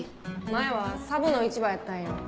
前はサブの市場やったんよ。